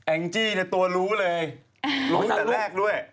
งจี้ตัวรู้เลยรู้ตั้งแต่แรกด้วย